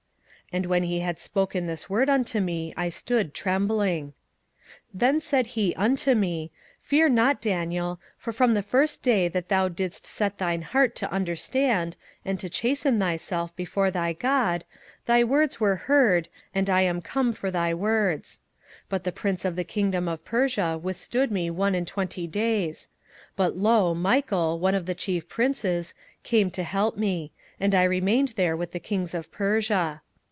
And when he had spoken this word unto me, I stood trembling. 27:010:012 Then said he unto me, Fear not, Daniel: for from the first day that thou didst set thine heart to understand, and to chasten thyself before thy God, thy words were heard, and I am come for thy words. 27:010:013 But the prince of the kingdom of Persia withstood me one and twenty days: but, lo, Michael, one of the chief princes, came to help me; and I remained there with the kings of Persia.